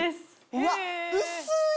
うわっ薄い！